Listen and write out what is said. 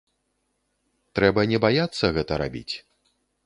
Трэба не баяцца гэта рабіць.